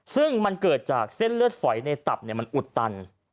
ซึ่งมันเกิดจากเส้นเลือดฝอยในตับมันอุดตัน